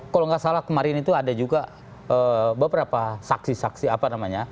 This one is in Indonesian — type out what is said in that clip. kalau nggak salah kemarin itu ada juga beberapa saksi saksi apa namanya